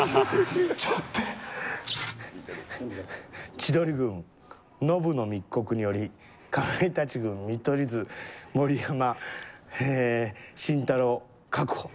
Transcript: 千鳥軍ノブの密告によりかまいたち軍、見取り図盛山晋太郎、確保。